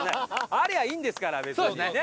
ありゃあいいんですから別にね。